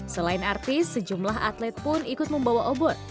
selain artis sejumlah atlet pun ikut membawa obor